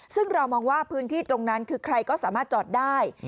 ซึ่งเรามองว่าพื้นที่ตรงนั้นคือใครก็สามารถจอดได้